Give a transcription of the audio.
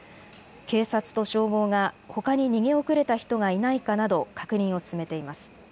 警察と消防がほかに逃げ遅れた人がいないかなど確認を進めています。